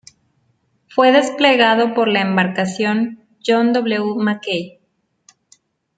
Fue desplegado por la embarcación John W. Mackay.